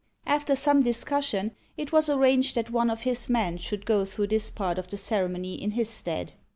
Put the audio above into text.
After some discussion, it was arranged that one of his men should go through this part of the ceremony in his stead.